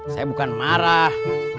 saya bukan marah